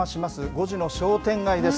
５時の商店街です。